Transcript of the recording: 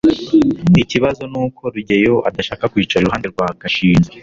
ikibazo nuko rugeyo adashaka kwicara iruhande rwa gashinzi